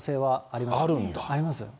ありますよ。